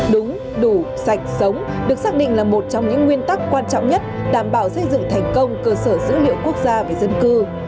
đúng đủ sạch sống được xác định là một trong những nguyên tắc quan trọng nhất đảm bảo xây dựng thành công cơ sở dữ liệu quốc gia về dân cư